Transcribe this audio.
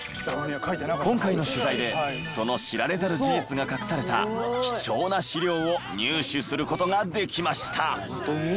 今回の取材でその知られざる事実が隠された貴重な資料を入手する事ができました。